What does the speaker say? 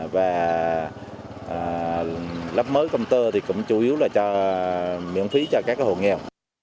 và lắp mới công tơ thì cũng chủ yếu là cho miễn phí cho các hộ nghèo